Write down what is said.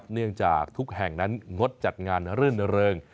เนื่องจากทุกแห่งนั้นงดจัดงานรื่นเริง